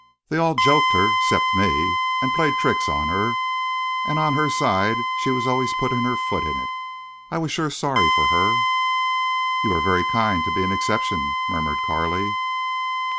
They all joked her, 'cept me, an' played tricks on her. An' on her side she was always puttin' her foot in it. I was shore sorry fer her." "You were very kind to be an exception," murmured Carley.